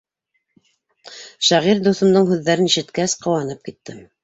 Шағир дуҫымдың һүҙҙәрен ишеткәс, ҡыуанып киттем.